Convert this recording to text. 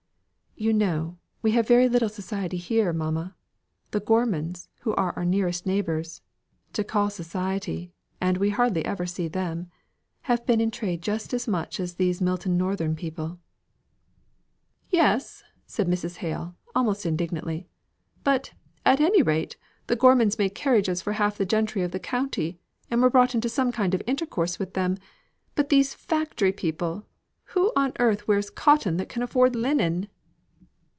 "You know, we have very little society here, mamma. The Gormans, who are our nearest neighbours (to call society and we hardly ever see them), have been in trade just as much as these Milton Northern people." "Yes," says Mrs. Hale, almost indignantly, "but at any rate, the Gormans made carriages for half the gentlemen of the county, and were brought into some kind of intercourse with them; but these factory people, who on earth wears cotton that can afford linen?"